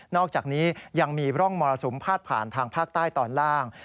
อกจากนี้ยังมีร่องมรสุมพาดผ่านทางภาคใต้ตอนล่าง